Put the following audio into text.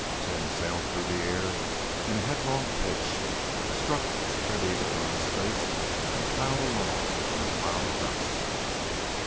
Tim sailed through the air in a headlong pitch, struck spread eagled on his face, and plowed along in a cloud of dust.